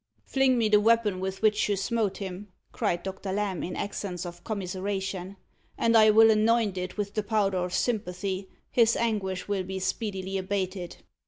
"Fling me the weapon with which you smote him," cried Doctor Lamb, in accents of commiseration, "and I will anoint it with the powder of sympathy. His anguish will be speedily abated."